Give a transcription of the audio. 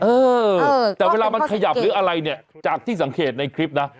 เออแต่เวลามันขยับหรืออะไรเนี่ยจากที่สังเกตในคลิปนะ